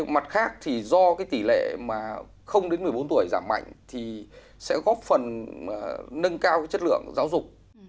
mặt khác do tỷ lệ đến một mươi bốn tuổi giảm mạnh sẽ góp phần nâng cao chất lượng giáo dục